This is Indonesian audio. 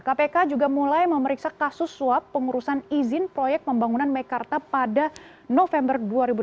kpk juga mulai memeriksa kasus suap pengurusan izin proyek pembangunan mekarta pada november dua ribu delapan belas